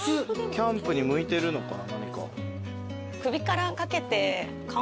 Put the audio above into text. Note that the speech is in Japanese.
キャンプに向いてるのかな。